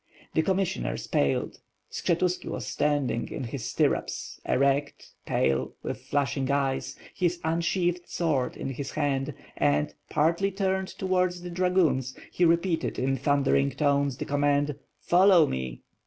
The commissioners paled. Skshetuski was standing in his stir rups, erect, pale, with flashing eyes, his unsheathed sword in his hand, and, partly turned towards the dragoons, he repeated, in thundering tones, the command, "follow me!"